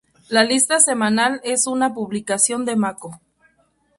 La lista semanal es una publicación de Mako.